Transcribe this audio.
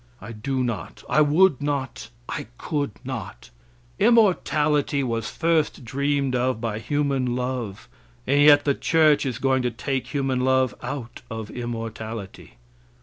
I do not, I would not, I could not. Immortality was first dreamed of by human love, and yet the church is going to take human love out of immortality.